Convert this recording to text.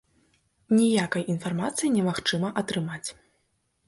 Ніякай інфармацыі немагчыма атрымаць.